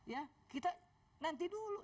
ya kita nanti dulu